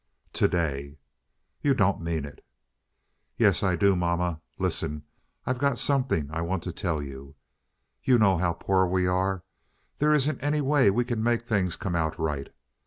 "To day." "You don't mean it!" "Yes, I do, mamma. Listen. I've got something I want to tell you. You know how poor we are. There isn't any way we can make things come out right.